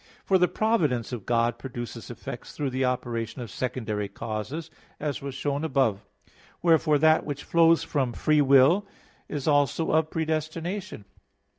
For the providence of God produces effects through the operation of secondary causes, as was above shown (Q. 22, A. 3). Wherefore, that which flows from free will is also of predestination.